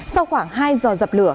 sau khoảng hai giờ dập lửa